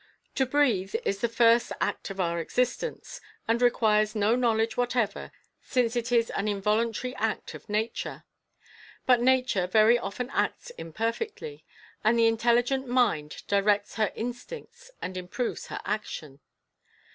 To breathe is the first act of our existence, and requires no knowledge whatever, since it is an involuntary act of nature. But nature very often acts imperfectly, and the intelligent MIND directs her instincts and improves her action.